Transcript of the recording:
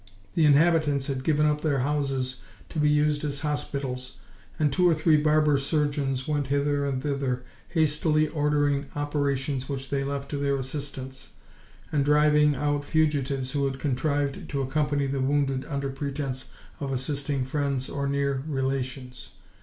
The inhabitants had given up their houses to be used as hospitals, and two or three barber surgeons went hither and thither, hastily ordering operations which they left to their assistants, and driving out fugitives who had contrived to accompany the wounded under pretence of assisting friends or near relations.